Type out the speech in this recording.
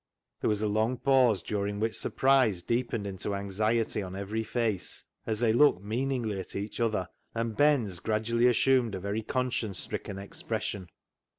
There was a long pause, during which surprise deepened into anxiety on every face as they looked meaningly at each other, and Ben's gradually assumed a very conscience stricken expression.